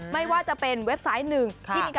ไม่ว่าจะเป็นเว็ปไซต์หนึ่ง